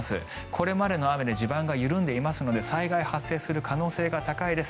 これまでの雨で地盤が緩んでいますので災害発生する可能性が高いです。